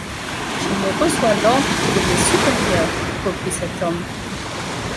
Je ne reçois d'ordre que de mes supérieurs, reprit cet homme.